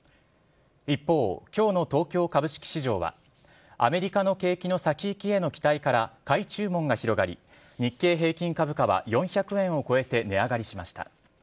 一方、きょうの東京株式市場は、アメリカの景気の先行きへの期待から、買い注文が広がり、日経平均株価は４００円を超えて値上がりしました。